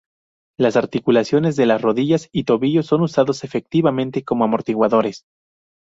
Las articulaciones de las rodillas y tobillos son usados efectivamente como amortiguadores.